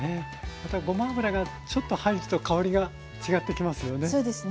またごま油がちょっと入ると香りが違ってきますよね。